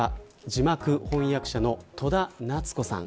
字幕翻訳者の戸田奈津子さん